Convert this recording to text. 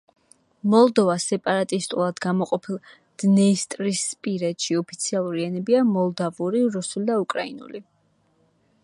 მოლდოვას სეპარატისტულად გამოყოფილ დნესტრისპირეთში ოფიციალური ენებია მოლდავური, რუსული და უკრაინული.